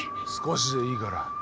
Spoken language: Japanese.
少しでいいから。